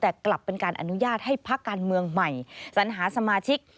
แต่กลับเป็นการอนุญาตให้พักการเมืองใหม่สัญหาสมาชิก